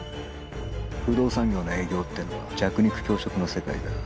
不動産業の営業ってのは弱肉強食の世界だ。